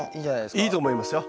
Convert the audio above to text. いいと思いますよ。